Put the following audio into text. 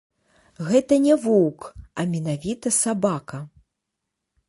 Гэта не воўк, а менавіта сабака.